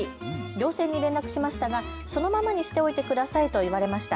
行政に連絡しましたがそのままにしておいてくださいと言われました。